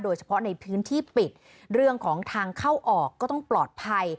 โดยเฉพาะในพื้นที่ปิดเรื่องของทางเข้าออกก็ต้องปลอดภัย